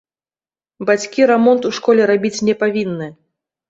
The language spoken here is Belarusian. Бацькі рамонт у школе рабіць не павінны.